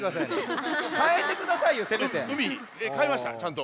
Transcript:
かえましたちゃんと。